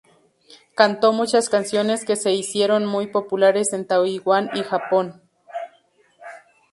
Cantó muchas canciones que se hicieron muy populares en Taiwán y Japón.